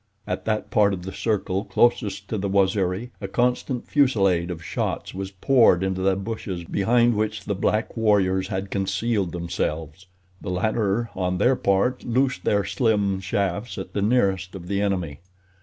At that part of the circle closest to the Waziri, a constant fusillade of shots was poured into the bushes behind which the black warriors had concealed themselves. The latter, on their part, loosed their slim shafts at the nearest of the enemy.